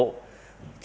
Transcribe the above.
trong đợt thi